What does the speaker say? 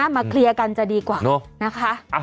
มาเคลียร์กันจะดีกว่านะคะ